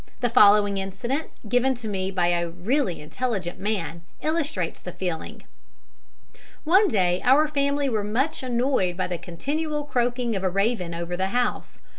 The following incident, given to me by a really intelligent man, illustrates the feeling: "'One day our family were much annoyed by the continual croaking of a raven over the house.